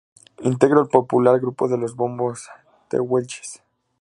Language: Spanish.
Integró el popular grupo de "Los Bombos Tehuelches".